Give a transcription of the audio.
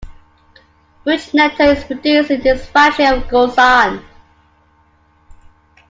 Fruit nectar is produced in this factory of Gulsan.